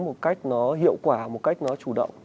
một cách nó hiệu quả một cách nó chủ động